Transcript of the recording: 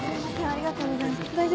ありがとうございます。